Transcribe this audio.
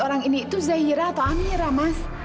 orang ini itu zahira atau amira mas